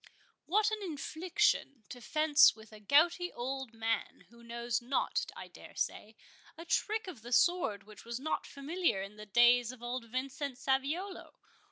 "What an infliction—to fence with a gouty old man, who knows not, I dare say, a trick of the sword which was not familiar in the days of old Vincent Saviolo!